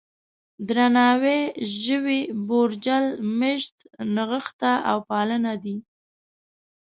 درناوی، ژوي، بورجل، مېشت، نغښته او پالنه دي.